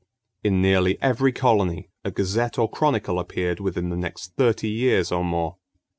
In nearly every colony a gazette or chronicle appeared within the next thirty years or more.